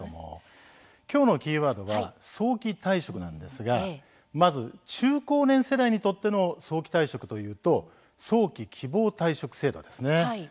きょうのキーワードは早期退職なんですがまず中高年世代にとっての早期退職というと早期・希望退職制度です。